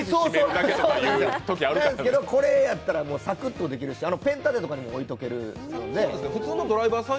これやったらサクッとできるしペン立てとかにも置いておけるんで。